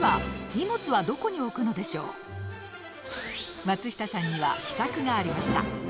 では松下さんには秘策がありました。